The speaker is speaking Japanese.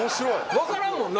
分からんもんな。